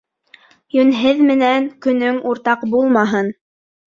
Йүнһеҙ менән көнөң уртаҡ булмаһын.